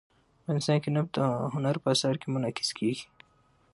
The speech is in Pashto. افغانستان کې نفت د هنر په اثار کې منعکس کېږي.